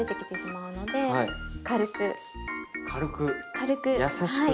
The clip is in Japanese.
軽く優しく。